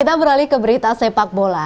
kita beralih ke berita sepak bola